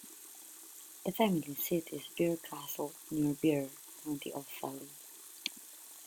The family seat is Birr Castle, near Birr, County Offaly.